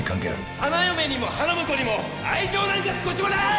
花嫁にも花婿にも愛情なんか少しもない！